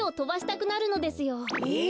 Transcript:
えっ？